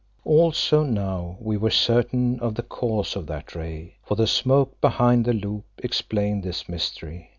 Also now we were certain of the cause of that ray, for the smoke behind the loop explained this mystery.